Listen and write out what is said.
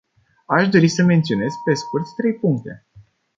Aș dori să menționez pe scurt trei puncte.